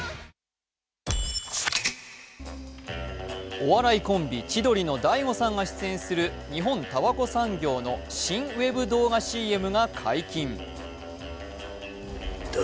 お笑いコンビ、千鳥の大悟さんが出演する日本たばこ産業の新ウェブ動画ＣＭが解禁。